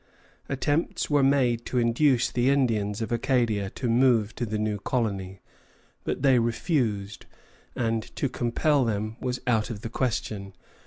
Attempts were made to induce the Indians of Acadia to move to the new colony; but they refused, and to compel them was out of the question.